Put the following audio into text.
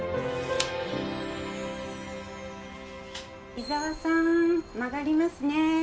伊沢さーん曲がりますね。